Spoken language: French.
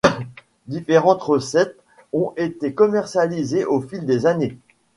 Différentes recettes ont été commercialisées au fil des années.